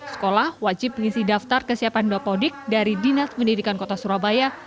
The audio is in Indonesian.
sekolah wajib mengisi daftar kesiapan dapodik dari dinas pendidikan kota surabaya